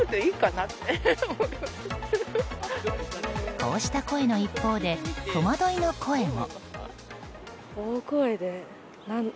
こうした声の一方で戸惑いの声も。